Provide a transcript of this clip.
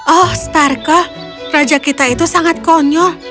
oh starcle raja kita itu sangat konyol